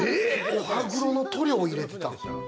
お歯黒の塗料を入れてたん？